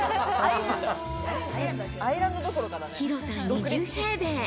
広さ２０平米。